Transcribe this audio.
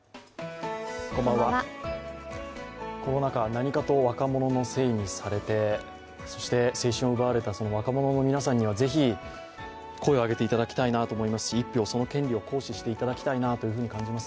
コロナ禍、何かと若者のせいにされて、そして青春を奪われた若者の皆さんにはぜひ声を上げていただきたいなと思いますし一票、その権利を行使していただきたいなと思います。